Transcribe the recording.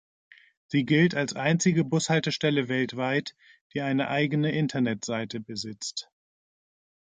Sie gilt als einzige Bushaltestelle weltweit, die eine eigene Internetseite besitzt.